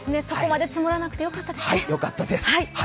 そこまで積もらなくてよかったです。